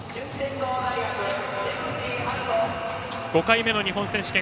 出口晴翔、５回目の日本選手権。